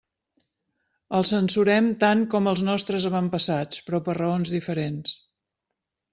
El censurem tant com els nostres avantpassats, però per raons diferents.